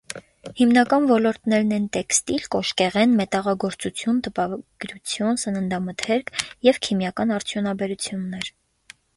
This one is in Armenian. Հիմնական ոլորտներն են՝ տեքստիլ, կոշկեղեն, մետաղագործություն, տպագրություն, սննդամթերք և քիմիական արդյունաբերություններ։